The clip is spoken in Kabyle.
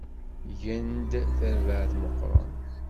Gan-d tarbaεt meqqren.